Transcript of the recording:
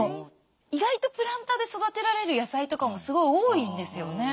意外とプランターで育てられる野菜とかもすごい多いんですよね。